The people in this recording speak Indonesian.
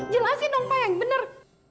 jelasin dong pak yang benar